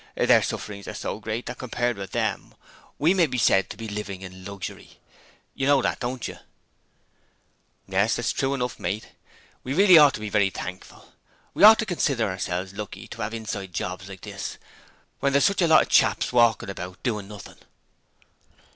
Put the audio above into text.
Their sufferings are so great that compared with them, we may be said to be living in luxury. You know that, don't you?' 'Yes, that's true enough, mate. We really ought to be very thankful: we ought to consider ourselves lucky to 'ave a inside job like this when there's such a lot of chaps walkin' about doin' nothing.'